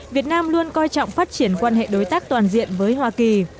việt nam luôn coi trọng phát triển quan hệ đối tác toàn diện với hoa kỳ